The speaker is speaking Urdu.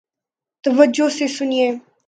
توجہ سے سنیئے